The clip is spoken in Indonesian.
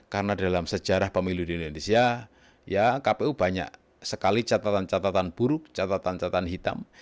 karena dalam sejarah pemilu di indonesia kpu banyak sekali catatan catatan buruk catatan catatan hitam